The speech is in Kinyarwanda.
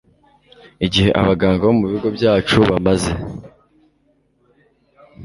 Igihe abaganga bo mu bigo byacu bamaze